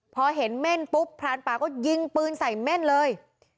พอเห็นเม่นปุ๊บพรานป่าก็ยิงปืนใส่เม่นเลย